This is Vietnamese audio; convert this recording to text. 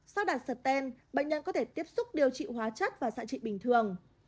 sau đặt sở tên bệnh nhân có thể tiếp xúc điều trị hóa chất và sản trị bình thường